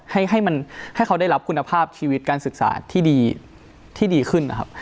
ให้เขาได้รับคุณภาพชีวิตการศึกษาที่ดีที่ดีขึ้นนะครับ